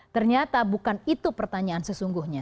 ternyata bukan itu pertanyaan sesungguhnya